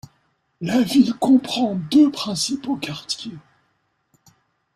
La ville comprend deux principaux quartiers.